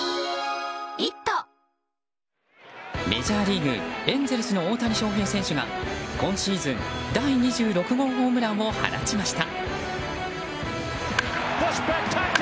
メジャーリーグエンゼルスの大谷翔平選手が今シーズン第２６号ホームランを放ちました。